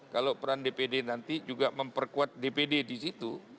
kalau peran dpd nanti juga memperkuat dpd di situ